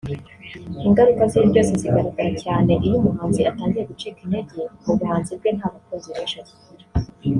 Ingaruka z’ibi byose zigaragara cyane iyo umuhanzi atangiye gucika intege mu buhanzi bwe nta bakunzi benshi akigira